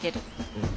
うん。